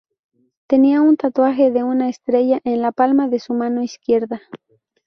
Tenía un tatuaje de una estrella en la palma de su mano izquierda.